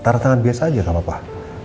tarah tangan biasa aja kan bapak